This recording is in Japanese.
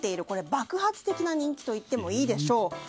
これ、爆発的な人気といってもいいでしょう。